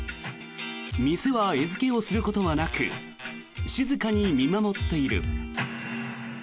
店は餌付けをすることはなく静かに見守っている。